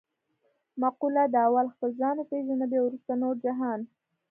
مقوله ده: اول خپل ځان و پېژنه بیا ورسته نور جهان.